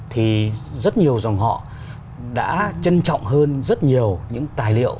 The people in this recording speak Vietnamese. thì rất nhiều dòng họ đã trân trọng hơn rất nhiều những tài liệu